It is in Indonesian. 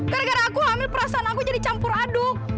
gara gara aku ambil perasaan aku jadi campur aduk